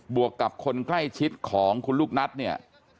วกกับคนใกล้ชิดของคุณลูกนัทเนี่ย